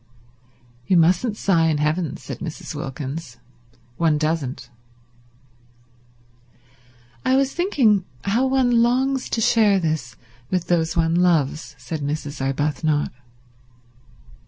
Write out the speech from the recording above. "You mustn't sigh in heaven," said Mrs. Wilkins. "One doesn't." "I was thinking how one longs to share this with those one loves," said Mrs. Arbuthnot.